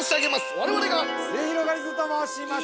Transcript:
我々が◆すゑひろがりずと申します。